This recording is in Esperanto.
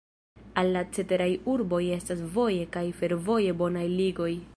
Al la ceteraj urboj estas voje kaj fervoje bonaj ligoj.